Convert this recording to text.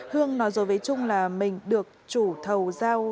hương nói rồi với trung là mình được chủ thầu giao